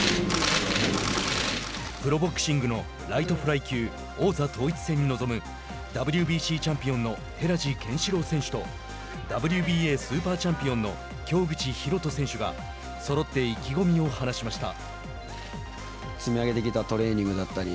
プロボクシングのライトフライ級王座統一戦にのぞむＷＢＣチャンピオンの寺地拳四朗選手とＷＢＡスーパーチャンピオンの京口紘人選手がそろって意気込みを話しました。